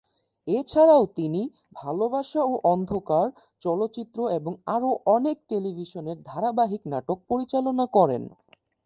এছাড়াও তিনি ""ভালোবাসা-ও-অন্ধকার"" চলচ্চিত্র এবং আরও অনেক টেলিভিশনের ধারাবাহিক নাটক পরিচালনা করেন।